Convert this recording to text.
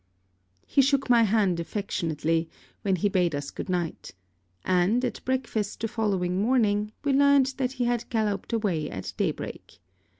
He shook my hand affectionately, when he bade us good night; and, at breakfast the following morning, we learned that he had galloped away at day break.